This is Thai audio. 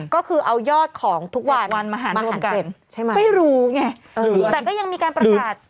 ก็คือเอายอดของทุกวันวันมาหารรวมกันใช่ไหมไม่รู้ไงแต่ก็ยังมีการประกาศ